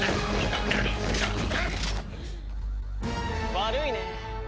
悪いね。